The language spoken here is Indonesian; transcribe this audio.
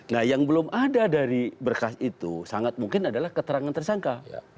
nah yang belum ada dari berkas itu sangat mungkin adalah keterangan tersangka